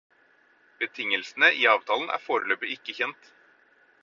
Betingelsene i avtalen er foreløpig ikke kjent.